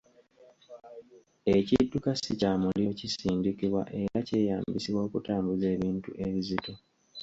Ekidduka si kya muliro kisindikibwa era kyeyambisibwa okutambuza ebintu ebizito